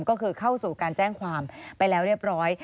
ก็คือเข้าสู่การแจ้งความไปแล้วเรียบร้อย